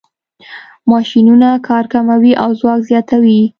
ماشینونه کار کموي او ځواک زیاتوي.